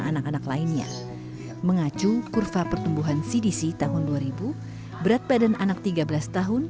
anak anak lainnya mengacu kurva pertumbuhan cdc tahun dua ribu berat badan anak tiga belas tahun